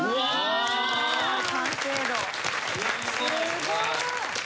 すごーい